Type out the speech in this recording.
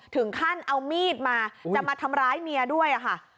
ถึงขั้นเอามีดมาจะมาทำร้ายเมียด้วยค่ะ